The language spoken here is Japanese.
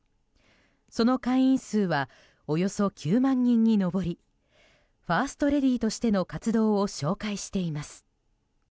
その会員数はおよそ９万人に上りファーストレディーとしての活動を紹介しています。